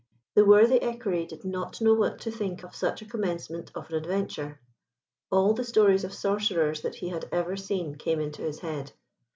The worthy equerry did not know what to think of such a commencement of an adventure. All the stories of sorcerers that he had ever seen came into his head.